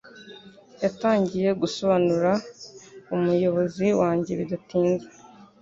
yatangiye gusobanura umuyobozi wanjye bidatinze